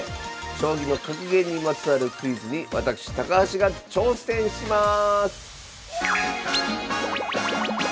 将棋の格言にまつわるクイズに私高橋が挑戦します